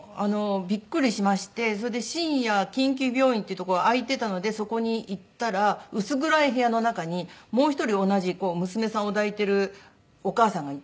それで深夜緊急病院っていう所開いてたのでそこに行ったら薄暗い部屋の中にもう１人同じ娘さんを抱いてるお母さんがいて。